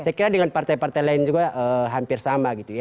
saya kira dengan partai partai lain juga hampir sama gitu ya